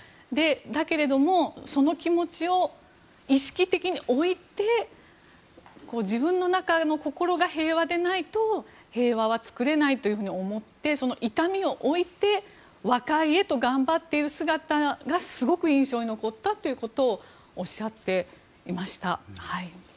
だけれども、その気持ちを意識的に置いて自分の中の心が平和でないと平和は作れないと思って痛みを置いて和解へと頑張っている姿がすごく印象に残ったということをおっしゃっていました。